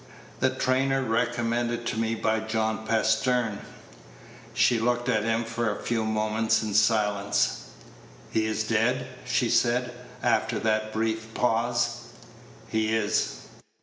"The trainer recommended to me by John Pastern." She looked at him for a few moments in silence. "He is dead?" she said, after that brief pause. "He is."